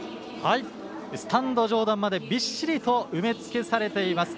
スタンド上段までびっしりと埋め尽くされています。